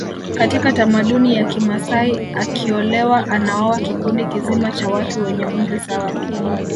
Katika tamaduni ya Kimasai akiolewa anaoa kikundi kizima cha watu wenye umri sawa